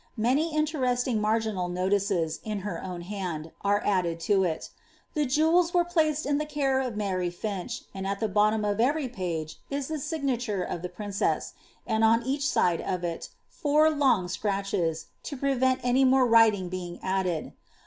Many intereel Uig iBVginal notices, in her own hand, are added to iL The jeweb we>« pUced in the care of Mary Finch, and at the bo. torn of every page !■ lh« mgnatnre of the princess; and on each side ol it, four long acrMches, to prevent any more writing being attded.